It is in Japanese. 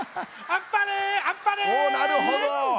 なるほど。